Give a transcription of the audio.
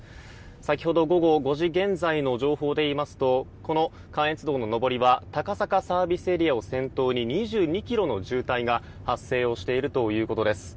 先ほど午後５時現在の情報で言いますとこの関越道の上りは高坂ＳＡを先頭に２２ｋｍの渋滞が発生しているということです。